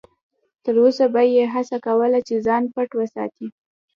تر وسه به یې هڅه کوله چې ځان پټ وساتي.